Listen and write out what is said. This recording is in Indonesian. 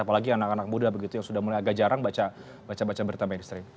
apalagi anak anak muda begitu yang sudah mulai agak jarang baca baca berita mainstream